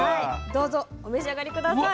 どうぞお召し上がり下さい。